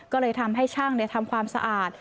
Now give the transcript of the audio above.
ก็เลยทำให้ช่างทำความสะอาด